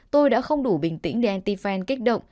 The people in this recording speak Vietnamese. tôi đã không đủ bình tĩnh để anti fan kích động